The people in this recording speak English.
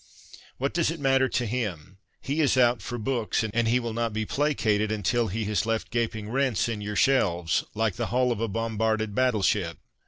What does it matter to him ? He is out for books, and he 84 CONFESSIONS OF A BOOK LOVER will not be placated until he has left gaping rents in your shelves, like the hull of a bombarded battle ship.